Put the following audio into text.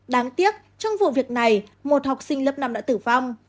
đáng tiếc trong vụ việc này một học sinh lớp năm đã tử vong